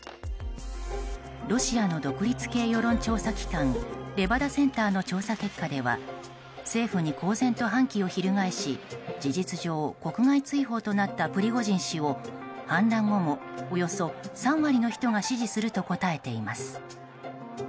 ロシアの独立系世論調査機関レバダ・センターの調査結果では政府に公然と反旗を翻し事実上、国外追放となったプリゴジン氏を反乱後も、およそ３割の人が支持すると答えています。